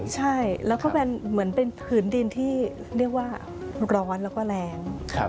ใช่แล้วก็เป็นเหมือนเป็นผืนดินที่เรียกว่าร้อนแล้วก็แรง